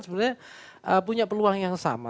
sebenarnya punya peluang yang sama